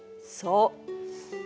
そう。